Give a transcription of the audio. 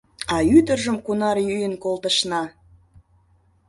А ӱдыржым кунар йӱын колтышна!